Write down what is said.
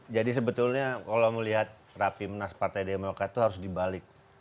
jadi sebetulnya kalau melihat rapi menas partai demokrat itu harus dibalik